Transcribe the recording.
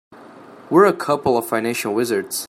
We're a couple of financial wizards.